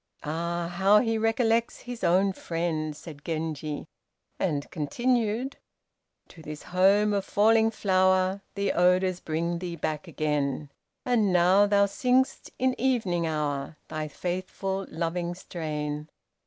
"'Ah! how he recollects his own friend!'" said Genji, and continued: "To this home of 'falling flower,' The odors bring thee back again, And now thou sing'st, in evening hour, Thy faithful loving strain."